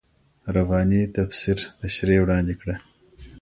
رباني تفسیر تشريح وړاندې کړه.